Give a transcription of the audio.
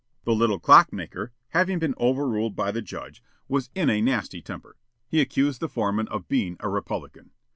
The little clockmaker, having been overruled by the judge, was in a nasty temper. He accused the foreman of being a republican.